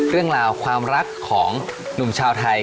เรื่องราวความรักของหนุ่มชาวไทย